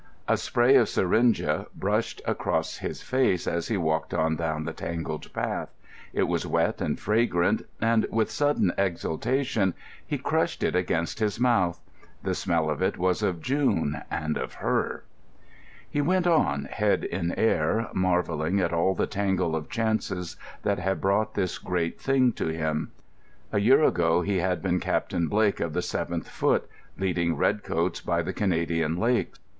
A spray of syringa brushed across his face as he walked on down the tangled path. It was wet and fragrant, and, with sudden exultation, he crushed it against his mouth. The smell of it was of June and of her. He went on, head in air, marvelling at all the tangle of chances that had brought this great thing to him. A year ago he had been Captain Blake, of the 7th Foot, leading redcoats by the Canadian lakes.